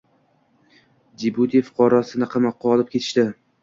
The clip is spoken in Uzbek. Jibuti fuqarosini qamoqqa olib ketishdi.